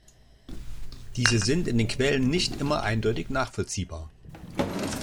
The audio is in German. Diese sind in den Quellen nicht immer eindeutig nachvollziehbar.